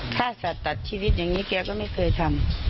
ถ้าสัตว์ตัดชีวิตอย่างนี้แกก็ไม่เคยทำ